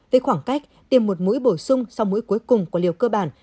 với khoảng cách tiêm một mũi bổ sung sau mũi cuối cùng của liều cơ bản